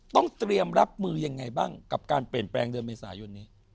ต้องเตรียมรับมือยังไงบ้างกับการเปลี่ยนแปลงเดือนเมษายนนี้